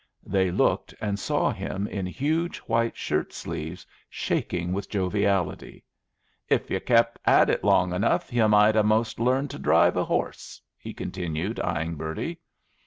They looked, and saw him in huge white shirt sleeves, shaking with joviality. "If you kep' at it long enough you might a most learn to drive a horse," he continued, eying Bertie.